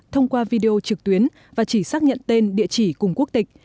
thông qua video trực tuyến và chỉ xác nhận tên địa chỉ cùng quốc tịch